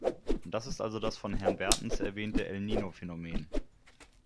Das ist also das von Herrn Bertens erwähnte "El Nino" -Phänomen.